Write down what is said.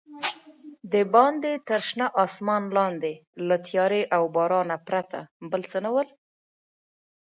دباندې تر شنه اسمان لاندې له تیارې او بارانه پرته بل څه نه ول.